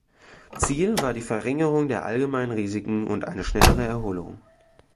Ziel war die Verringerung der allgemeinen Risiken und eine schnellere Erholung.